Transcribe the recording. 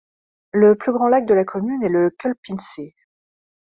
Le plus grand lac de la commune est le Kölpinsee.